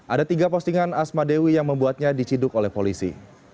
ada tiga postingan asma dewi yang membuatnya diciduk oleh polisi